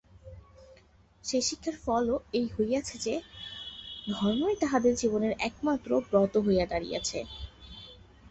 সেই শিক্ষার ফলও এই হইয়াছে যে, ধর্মই তাহাদের জীবনের একমাত্র ব্রত হইয়া দাঁড়াইয়াছে।